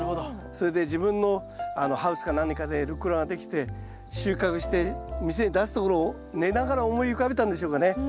それで自分のハウスか何かでルッコラができて収穫して店に出すところを寝ながら思い浮かべたんでしょうかね。